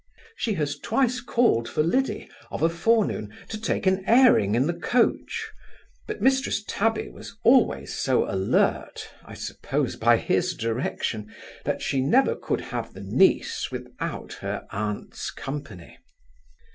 She has twice called for Liddy, of a forenoon, to take an airing in the coach; but Mrs Tabby was always so alert (I suppose by his direction) that she never could have the niece without her aunt's company.